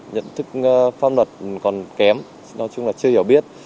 nhận thức pháp luật còn kém nói chung là chưa hiểu biết